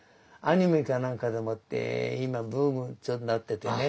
アニメかなんかでもって今ブームになっててね。